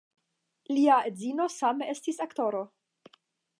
Lia edzino same estis aktoro.